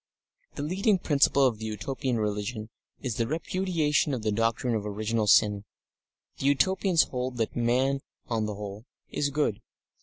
The leading principle of the Utopian religion is the repudiation of the doctrine of original sin; the Utopians hold that man, on the whole, is good.